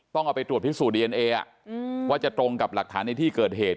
ต้องเอาไปตรวจพิสูจนดีเอนเอว่าจะตรงกับหลักฐานในที่เกิดเหตุ